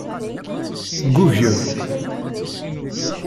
Ggugem.